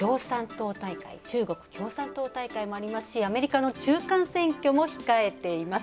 中国共産党大会もありますしアメリカの中間選挙も控えています。